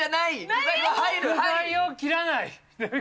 具材を切らない？